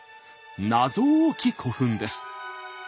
謎多き古墳です。